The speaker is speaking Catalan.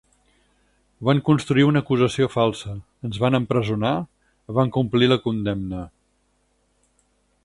Van construir una acusació falsa, ens van empresonar, vam complir la condemna.